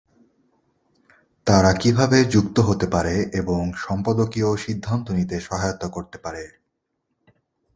তারা কীভাবে যুক্ত হতে পারে এবং সম্পাদকীয় সিদ্ধান্ত নিতে সহায়তা করতে পারে।